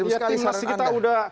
ya timnas kita udah